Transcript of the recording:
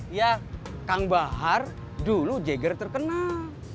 iya kang bahar dulu jagger terkenal